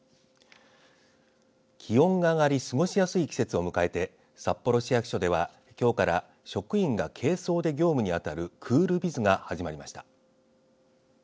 気温が上がり過ごしやすい季節を迎えて札幌市役所では、きょうから職員が軽装で業務に当たるクールビズが始まりました。